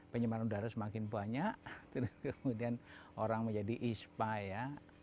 penyebaran udara semakin banyak kemudian orang menjadi ispa ya